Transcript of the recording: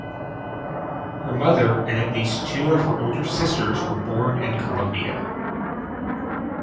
Her mother and at least two of her older sisters were born in Colombia.